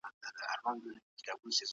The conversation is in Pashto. قبايلي ارزښتونه ماتېږي.